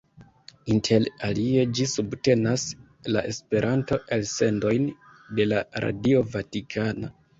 Inter alie ĝi subtenas la Esperanto-elsendojn de la Radio Vatikana.